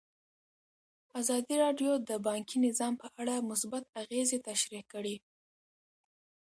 ازادي راډیو د بانکي نظام په اړه مثبت اغېزې تشریح کړي.